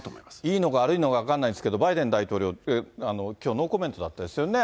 いいのか悪いのか分かんないですけど、バイデン大統領、きょうノーコメントだったんですよね。